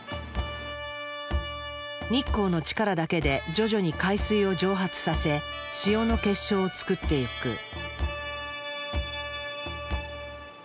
日光の力だけで徐々に海水を蒸発させ塩の結晶を作っていく。